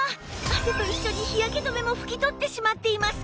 汗と一緒に日焼け止めも拭き取ってしまっています！